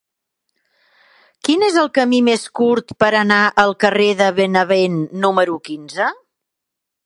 Quin és el camí més curt per anar al carrer de Benevent número quinze?